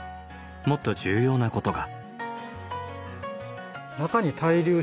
もっと重要なことが。